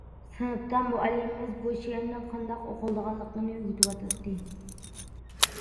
سىنىپتا مۇئەللىمىمىز بۇ شېئىرنىڭ قانداق ئوقۇلىدىغانلىقىنى ئۆگىتىۋاتاتتى.